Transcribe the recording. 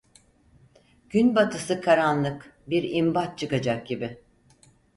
Günbatısı karanlık, bir imbat çıkacak gibi!